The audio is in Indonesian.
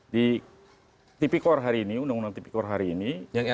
di tpkor hari ini undang undang tpkor hari ini